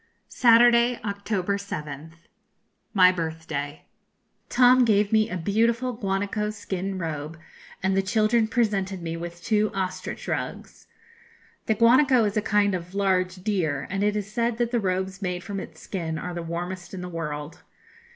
] Saturday, October 7th. My birthday. Tom gave me a beautiful guanaco skin robe, and the children presented me with two ostrich rugs. The guanaco is a kind of large deer, and it is said that the robes made from its skin are the warmest in the world.